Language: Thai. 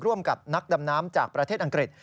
ร่วมกับนักดำน้ำจากประเทศอังกฤษ